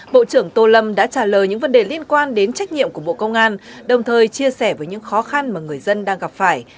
bộ trưởng tô lâm đã trả lời những vấn đề liên quan đến trách nhiệm của bộ công an đồng thời chia sẻ với những khó khăn mà người dân đang gặp phải